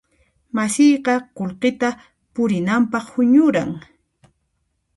Masiyqa qullqita purinanpaq huñuran.